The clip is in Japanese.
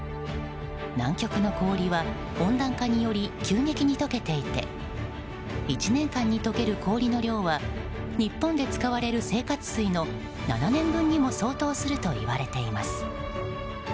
南極の氷は温暖化により急激に解けていて１年間に解ける氷の量は日本で使われる生活水の７年分にも相当すると言われています。